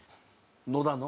野田の。